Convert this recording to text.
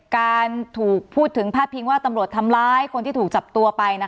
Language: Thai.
การถูกพูดถึงพาดพิงว่าตำรวจทำร้ายคนที่ถูกจับตัวไป